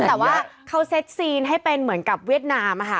แต่ว่าเขาเซ็ตซีนให้เป็นเหมือนกับเวียดนามค่ะ